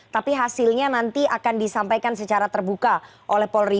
tapi hasilnya nanti akan disampaikan secara terbuka oleh polri